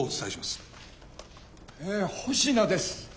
え保科です。